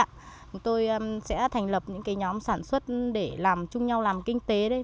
chúng tôi sẽ thành lập những cái nhóm sản xuất để làm chung nhau làm kinh tế đấy